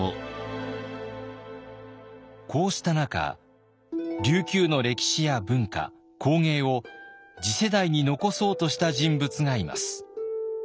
こうした中琉球の歴史や文化工芸を次世代に残そうとした人物がいます。